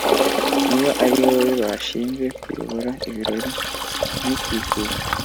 Niba ari wowe bashinze kuyobora ibirori, ntukikuze;